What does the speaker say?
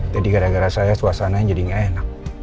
jadi gara gara saya suasananya jadi gak enak